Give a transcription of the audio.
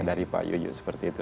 dari pak yuyuk seperti itu